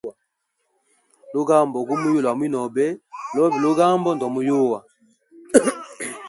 Lugambo gumuyuwa lwa mwinobe lobe lugambo ndomuyuwa.